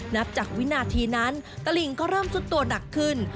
นับจากวินาทีนั้นตลิงก็เริ่มซุดตัวหนักขึ้น